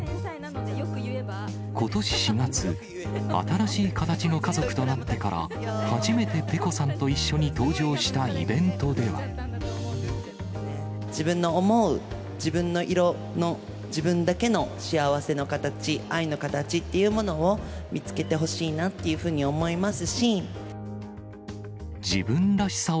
ことし４月、新しい形の家族となってから、初めてペコさんと一緒に登場した自分の思う、自分の色の、自分だけの幸せの形、愛の形っていうものを、見つけてほしいなっていうふうに思います